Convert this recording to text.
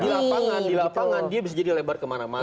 di lapangan di lapangan dia bisa jadi lebar kemana mana